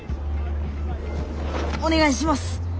お願いします！